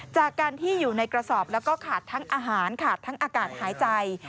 จากการที่อยู่ในกระสอบแล้วก็ขาดทั้งอาหารขาดทั้งอากาศหายใจ